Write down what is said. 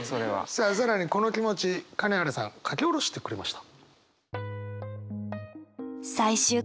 さあ更にこの気持ち金原さん書き下ろしてくれました。